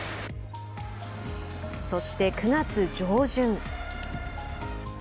そして９月上旬。